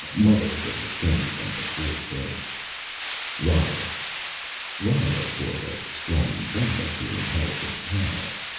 Mother was a thing from before birth. Riya Riya bore a strong resemblance to an intelligent cow.